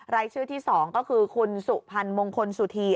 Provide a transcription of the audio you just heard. รายชื่อที่๒ก็คือคุณสุพรรณมงคลสุธี